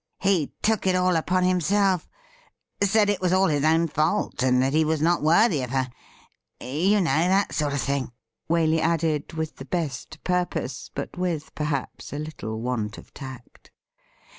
He took it all upon himself — said it was all his own fault, and that he was not worthy of her — you know that sort of thing,' Waley added, with the best piu"pose, but with, perhaps, a little want of tact.